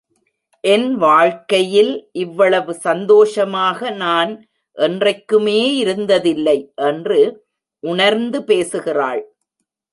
என் வாழ்க்கையில் இவ்வளவு சந்தோஷமாக நான் என்றைக்குமே இருந்ததில்லை! என்று உணர்ந்து பேசுகிறாள்.